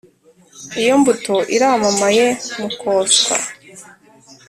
iyo mbuto iramamaye mu kotswa!